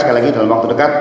sekali lagi dalam waktu dekat